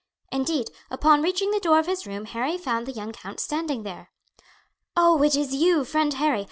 Indeed, upon reaching the door of his room Harry found the young count standing there. "Oh, it is you, friend Harry!